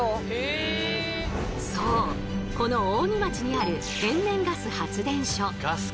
そうこの扇町にある天然ガス発電所。